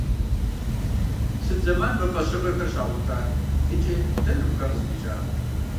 Сыт зэман мы фӀэщыгъэхэр щагъуэтар, икӀи дэнэ мыхэр къыздикӀар?